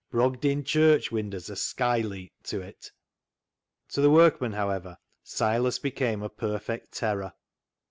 Brogdin Church winder's a sky leet to it." To the workmen, however, Silas became a perfect terror.